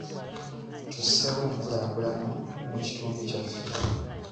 Tusseewo enkulaakulana mu kitundu kyaffe.